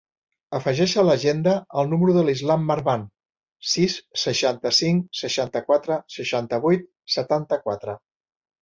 Afegeix a l'agenda el número de l'Islam Marban: sis, seixanta-cinc, seixanta-quatre, seixanta-vuit, setanta-quatre.